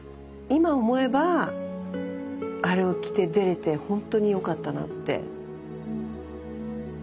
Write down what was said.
今思えばあれを着て出れてほんとによかったなって。